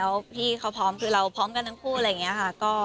แล้วพี่เขาพร้อมคือเราพร้อมกันทั้งคู่อะไรอย่างนี้ค่ะ